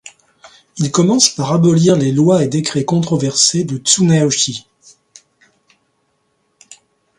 Il commence par abolir les lois et décrets controversés de Tsunayoshi.